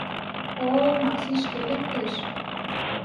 — О-о, Макси шке лектеш!